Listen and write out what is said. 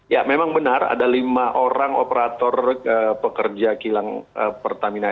ya memang benar ada lima orang operator pekerja kilang pertamina